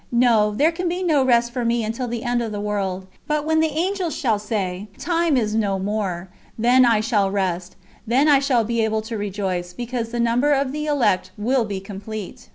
No, there can be no rest for me until the end of the world. But when the Angel shall have said: 'Time is no more!' then I shall rest, then I shall be able to rejoice, because the number of the elect will be complete."